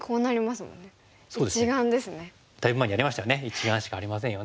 １眼しかありませんよね。